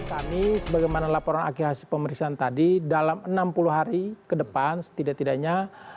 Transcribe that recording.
kami sebagaimana laporan akhir hasil pemeriksaan tadi dalam enam puluh hari ke depan setidak tidaknya